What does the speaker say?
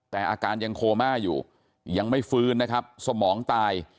แต่อาการยังโคม่าอยู่ยังไม่ฟื้นนะครับสมองตาย